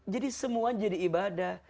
jadi semua jadi ibadah